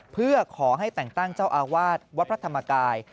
เพื่อขอให้แต่งตั้งเจ้าอาวาสวัดพระธรรมกาย